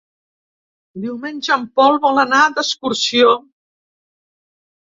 Diumenge en Pol vol anar d'excursió.